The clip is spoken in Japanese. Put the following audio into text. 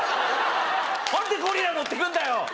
何でゴリラ乗ってくんだよ